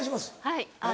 はい。